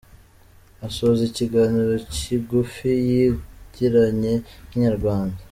Asoza ikiganiro kigufi yagiranye na Inyarwanda.